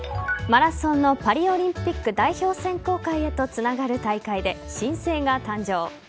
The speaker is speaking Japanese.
マラソンのパリオリンピック代表選考会へとつながる大会で新星が誕生。